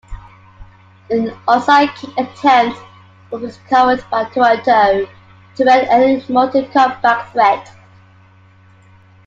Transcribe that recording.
An onside kick attempt was recovered by Toronto to end any Edmonton comeback threat.